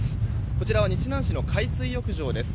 こちらは日南市の海水浴場です。